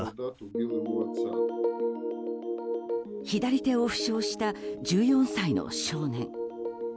左手を負傷した１４歳の少年。